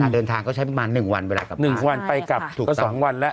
เดินทางก็ใช้ประมาณ๑วันเวลากลับ๑วันไปกลับถูกก็๒วันแล้ว